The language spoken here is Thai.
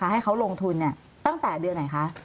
ให้เขาลงทุนตั้งแต่เดือนไหนคะ